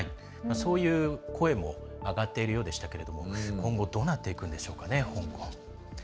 そういう声も上がっているようでしたけど今後、どうなっていくんでしょうかね、香港。